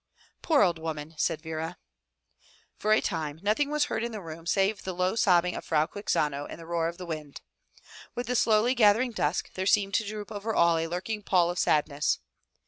"Poor old woman," said Vera. For a time nothing was heard in the room save the low sobbing of Frau Quixano and the roar of the wind. With the slowly gathering dusk there seemed to droop over all a lurking pall of sadness.